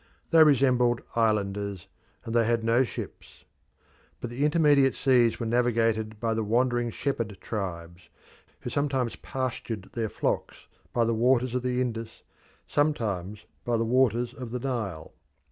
They resembled islanders, and they had no ships. But the intermediate seas were navigated by the wandering shepherd tribes, who sometimes pastured their flocks by the waters of the Indus, sometimes by the waters of the Nile.